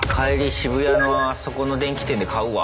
渋谷のあそこの電気店で買うわ。